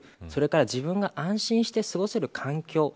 それから自分が安心して過ごせる環境